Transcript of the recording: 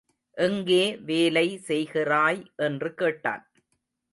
எங்கே வேலை செய்கிறாய் என்று கேட்டான்.